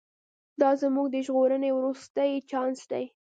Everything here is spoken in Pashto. دا زموږ د ژغورنې وروستی چانس دی.